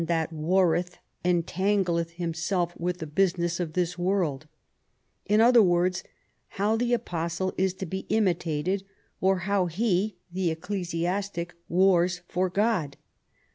311 that warreth entangleth himself with the business of this world ': in other words, how the Apostle is to be imitated, or how he (the ecclesiastic) wars for God